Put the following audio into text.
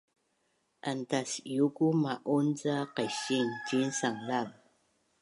Antas’iuku ma’un ca qaising ciin sanglav